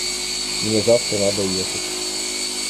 Мне завтра надо ехать.